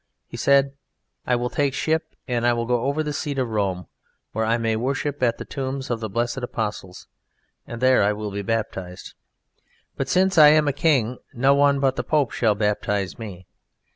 He said: "I will take ship and I will go over the sea to Rome, where I may worship at the tombs of the blessed Apostles, and there I will be baptized. But since I am a king no one but the Pope shall baptize me.